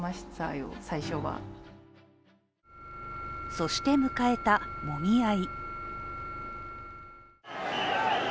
そして迎えたもみ合い。